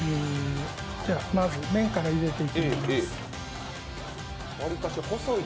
まず麺からゆでていきます。